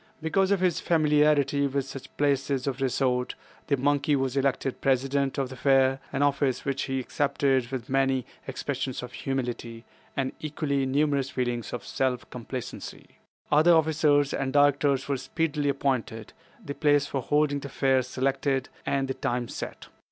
Because of his familiarity with such places of resort, the monkey was elected President of the Fair, an office which he accepted with many expressions of humility, and equally numerous feelings of self complacency. Other officers and directors were speedily appointed, the place for holding the Fair selected, and the time set.